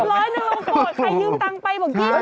ร้อยหนึ่งเราโกรธใครยืมตังค์ไปบอกพี่